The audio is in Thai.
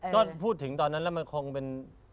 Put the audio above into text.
ก็พูดถึงตอนนั้นแล้วมันคงเป็น